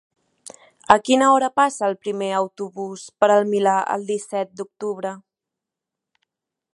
A quina hora passa el primer autobús per el Milà el disset d'octubre?